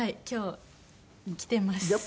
今日来てます。